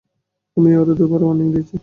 আমিই ওরে দুবার ওয়ার্নিং দিয়েছি।